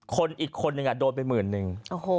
อีกคนนึงโดนไปหมื่นนึง